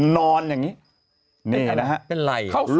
นอนแบบนี้นี่นะฮะ